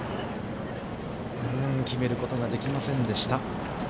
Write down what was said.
決めることができませんでした。